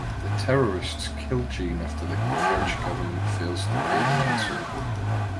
The terrorists kill Jean after the French government fails to pay the ransom.